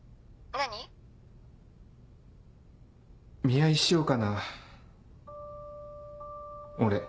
見合いしようかな俺。